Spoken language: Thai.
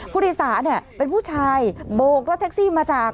ผู้โดยสารเนี่ยเป็นผู้ชายโบกรถแท็กซี่มาจาก